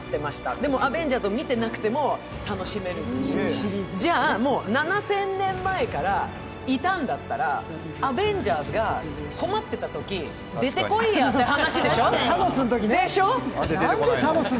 でも「アベンジャーズ」も見てなくても楽しめるシリーズ。じゃあ、７０００年前からいたんだったら、アベンジャーズが困ってたとき、出て来いや！っていう話でしょ。